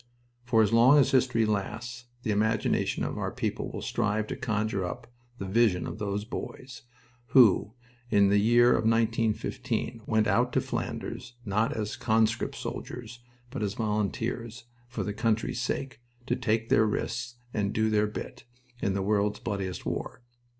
For as long as history lasts the imagination of our people will strive to conjure up the vision of those boys who, in the year of 1915, went out to Flanders, not as conscript soldiers, but as volunteers, for the old country's sake, to take their risks and "do their bit" in the world's bloodiest war.